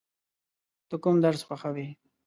ته کوم درس خوښوې؟